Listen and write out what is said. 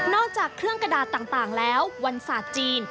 จากเครื่องกระดาษต่างแล้ววันศาสตร์จีน